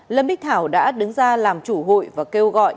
lâm bích thảo đã đứng ra làm chủ hụi và kêu gọi